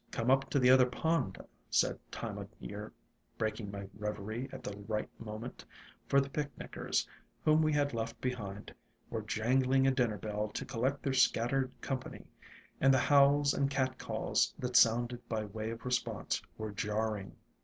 "Come up to the other pond," said Time o' Year, breaking my reverie at the right moment; for the picknickers, whom we had left behind, were jangling a dinner bell to collect their scattered com pany, and the howls and cat calls that sounded by way of response were jarring.